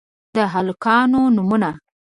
د هلکانو نومونه: